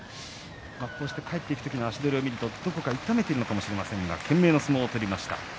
こうした帰っていく時の足取りを見ると、どこか痛めているのかもしれませんが懸命の相撲を取りました。